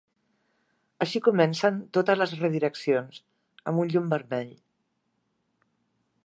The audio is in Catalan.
Així comencen totes les redireccions, amb un llum vermell.